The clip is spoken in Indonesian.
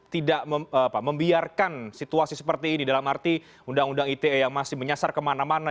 tidak membiarkan situasi seperti ini dalam arti undang undang ite yang masih menyasar kemana mana